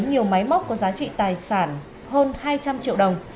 nhiều máy móc có giá trị tài sản hơn hai trăm linh triệu đồng